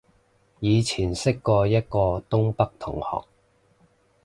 以前識過一個東北同學